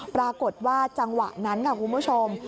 ปรากฏว่าจังหวะนั้นค่ะคุณผู้ชม